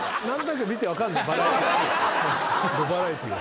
どバラエティー。